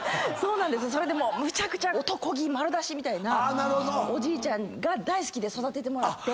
それでむちゃくちゃおとこ気丸出しみたいなおじいちゃんが大好きで育ててもらって。